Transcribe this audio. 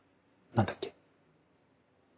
何だっけ？